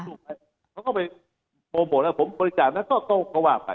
ทางแรกต้องไปโปรโบนนะครับผมสวัสดิ์การแล้วก็ต้องทะวาไป